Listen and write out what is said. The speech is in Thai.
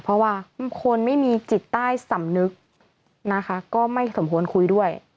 เพราะว่าคนไม่มีจิตใต้สำนึกนะคะก็ไม่สมควรคุยด้วย